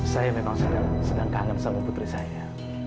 saya memang sedang kangen sama putri saya